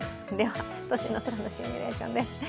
都心の空のシミュレーションです。